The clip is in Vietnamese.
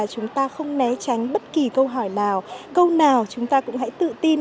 chúng ta không né tránh bất kỳ câu hỏi nào câu nào chúng ta cũng hãy tự tin